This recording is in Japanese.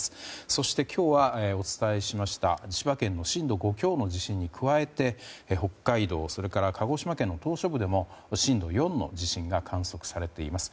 そして、今日はお伝えしました千葉県の震度５強の地震に加えて北海道、それから鹿児島県の島しょ部でも震度４の地震が観測されています。